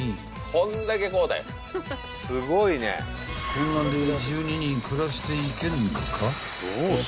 ［こんなんで１２人暮らしていけんのか？］